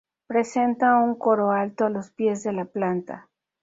Presenta un coro alto a los pies de la planta.